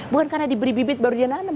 bukan karena diberi bibit baru dianam